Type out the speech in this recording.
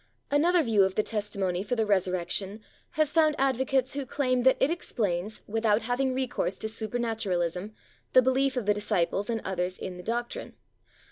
Another view of the testimony for the Resurrection has found advocates who claim that it explains, without having recourse to supernaturalism, the belief of the disciples and others in the doctrine.